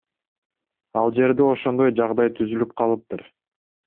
Ал жерде ошондой жагдай түзүлүп калыптыр.